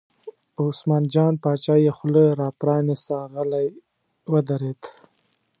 په عثمان جان باچا یې خوله را پرانسته، غلی ودرېد.